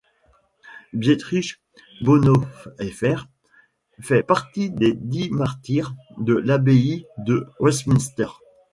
Dietrich Bonhoeffer fait partie des dix Martyrs de l'abbaye de Westminster.